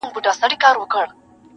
ما یې د جلال او د جمال نښي لیدلي دي-